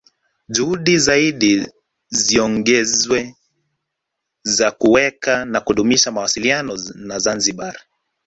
Juhudi zaidi ziongezwe za kuweka na kudumisha mawasiliano na Zanzibari